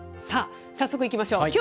さあ、早速いきましょう。